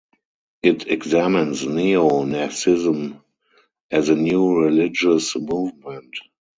It examines neo-Nazism as a new religious movement.